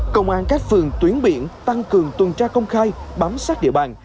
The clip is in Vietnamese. công an các phường tuyến biển tăng cường tuần tra công khai bám sát địa bàn